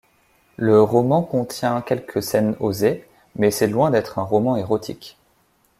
Le roman contient quelques scènes osées, mais c'est loin d'être un roman érotique.